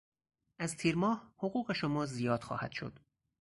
از تیرماه، حقوق شما زیاد خواهد شد.